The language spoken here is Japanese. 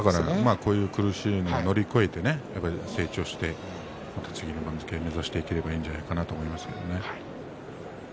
この苦しみを乗り越えて成長してさらに上の番付を目指していけばいいんじゃないかと思います。